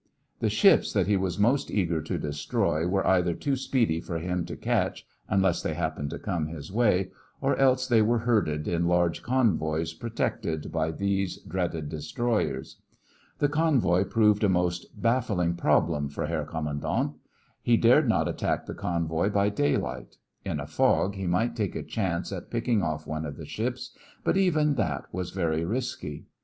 The ships that he was most eager to destroy were either too speedy for him to catch, unless they happened to come his way, or else they were herded in large convoys protected by these dreaded destroyers. The convoy proved a most baffling problem for Herr Kommandant. He dared not attack the convoy by daylight. In a fog he might take a chance at picking off one of the ships, but even that was very risky.